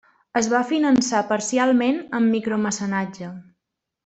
Es va finançar parcialment amb micromecenatge.